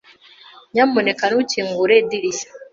Nyamuneka ntukingure idirishya.